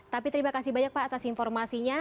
tapi terima kasih banyak pak atas informasinya